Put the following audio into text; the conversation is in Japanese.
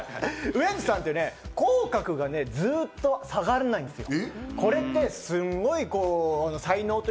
ウエンツさんって、口角がずっと下がらないんですよ。